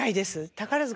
宝塚